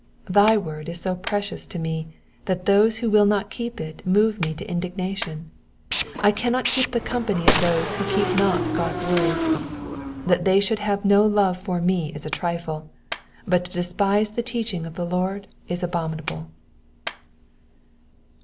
Thy word is so precious to me that those who will not keep it move me to indignation ; I cannot keep the company of those who keep not God's word. That they should have no love for me is a trifle ; but to despise the teaching of the Lord is abominable.